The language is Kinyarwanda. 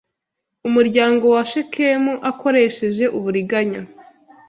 umuryango wa Shekemu akoresheje uburiganya